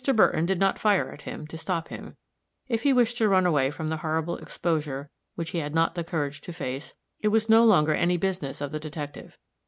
Burton did not fire at him, to stop him; if he wished to run away from the horrible exposure which he had not the courage to face, it was no longer any business of the detective.